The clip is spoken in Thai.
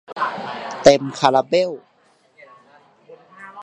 เต็มคาราเบล